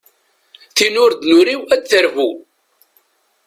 Tin ur d-nuriw ad d-terbu.